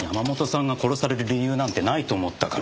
山本さんが殺される理由なんてないと思ったから。